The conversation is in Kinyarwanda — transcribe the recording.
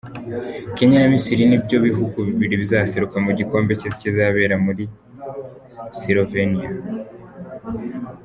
Kenya na Misiri nibyo bihugu bibiri bizaseruka mu gikombe cy’isi kizabera muri Slovenia.